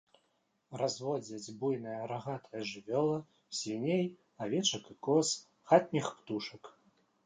Разводзяць буйная рагатая жывёла, свіней, авечак і коз, хатніх птушак.